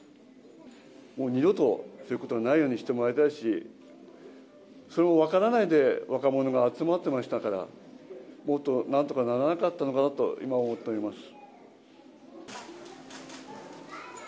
もう二度とそういうことがないようにしてもらいたいし、それを分からないで若者が集まってましたから、もっとなんとかならなかったのかなと、今、思っております。